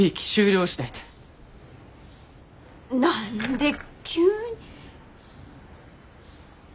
何で急に。